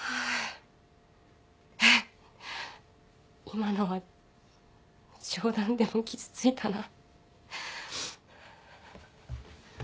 今のは冗談でも傷ついたな。